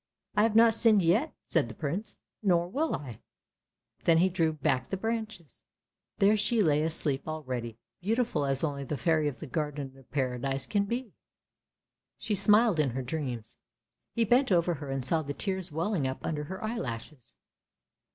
"I have not sinned yet! " said the Prince, "nor will I," then he drew back the branches. There she lay asleep already, beautiful as only the Fairy in the Garden of Paradise can be THE GARDEN OF PARADISE 169 She smiled in her dreams; he bent over her and saw the tears welling up under her eyelashes.